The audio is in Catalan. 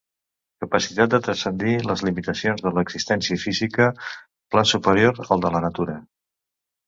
Capacitat de transcendir les limitacions de l'existència física, pla superior al de la natura.